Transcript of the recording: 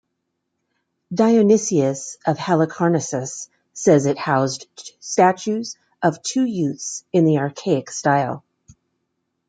Dionysius of Halicarnassus says it housed statues of two youths in the archaic style.